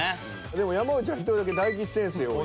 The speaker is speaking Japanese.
でも山内は１人だけ大吉先生を１位。